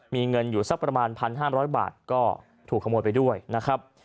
มีเงินอยู่สักประมาณ๑๕๐๐บาทก็ถูกขโมยไปด้วยนะครับ